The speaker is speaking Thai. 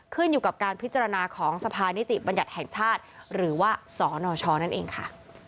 ขึ้นอยู่กับการพิจารณาของสภานิติบัญญัติแห่งชาติหรือว่าสนชนั่นเองค่ะ